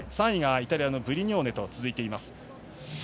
３位がイタリアのブリニョネと続いています。